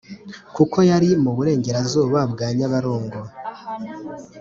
kuko yari mu burengerazuba bwa nyabarongo